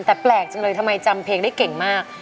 แต่แปลกจังเลยทำไมจำเพลงได้เก่งมาก